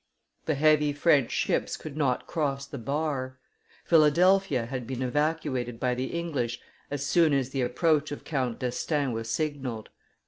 The heavy French ships could not cross the bar; Philadelphia had been evacuated by the English as soon as the approach of Count d'Estaing was signalled.